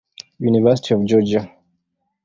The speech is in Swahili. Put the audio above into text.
University of Georgia.